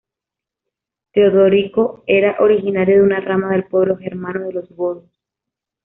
Teodorico era originario de una rama del pueblo germano de los godos.